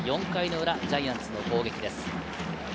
４回の裏、ジャイアンツの攻撃です。